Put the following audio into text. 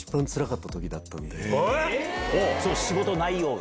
仕事内容が？